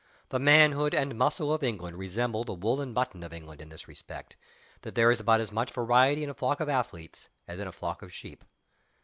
The manhood and muscle of England resemble the wool and mutton of England, in this respect, that there is about as much variety in a flock of athletes as in a flock of sheep.